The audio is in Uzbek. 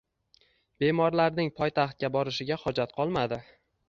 Bemorlarning poytaxtga borishiga hojat qolmadi